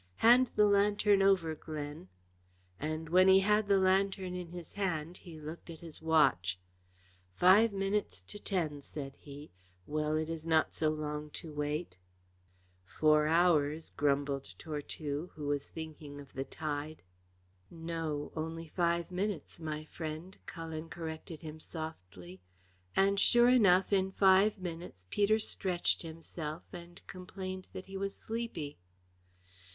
Hand the lantern over, Glen!" and when he had the lantern in his hand he looked at his watch. "Five minutes to ten," said he. "Well, it is not so long to wait." "Four hours," grumbled Tortue, who was thinking of the tide. "No, only five minutes, my friend," Cullen corrected him, softly; and sure enough in five minutes Peter stretched himself and complained that he was sleepy.